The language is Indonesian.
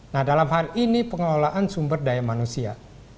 nah dalam hal ini pengelolaan sumber daya manusia